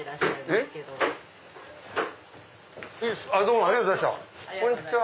えっ？どうもありがとうございました。